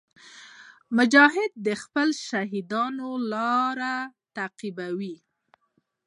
مجاهد د خپلو شهیدانو لار تعقیبوي.